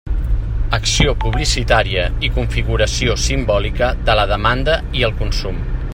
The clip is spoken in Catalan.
Acció publicitària i configuració simbòlica de la demanda i el consum.